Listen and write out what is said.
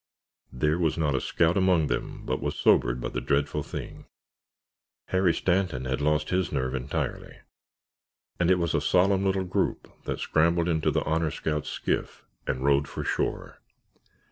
There was not a scout among them but was sobered by the dreadful thing; Harry Stanton had lost his nerve entirely; and it was a solemn little group that scrambled into the Honor Scout's skiff and rowed for shore.